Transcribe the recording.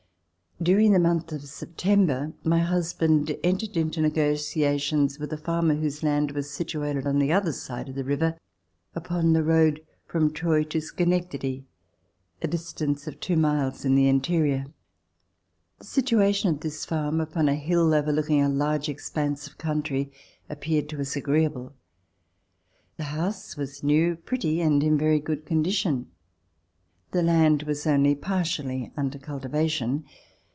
During the month of September my husband en tered into negotiations with a farmer whose land was THE FARM NEAR ALBANY situated on the other side of the river, upon the road from Troy to Schenectady, a distance of two miles in the interior. The situation of this farm upon a hill overlooking a large expanse of country appeared to us agreeable. The house was new, pretty and in very good condition. The land was only partially under cultivation.